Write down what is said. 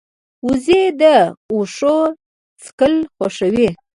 وزې د واښو څکل خوښوي